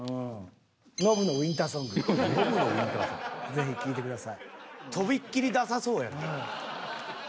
是非聴いてください。